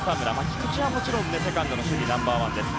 菊池はもちろんセカンドの守備ナンバー１です。